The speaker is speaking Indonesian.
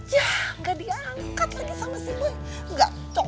yah ga diangkat lagi sama si boy